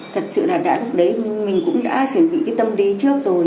thật sự là đã lúc đấy mình cũng đã chuẩn bị cái tâm đi trước rồi